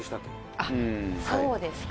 山本：あっ、そうですか。